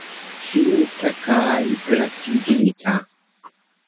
Finita kaj glatigita.